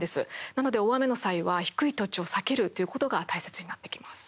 なので大雨の際は低い土地を避けるということが大切になってきます。